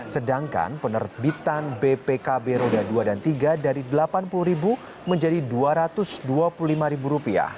sedangkan penerbitan bpkb roda dua dan tiga dari rp delapan puluh menjadi rp dua ratus dua puluh lima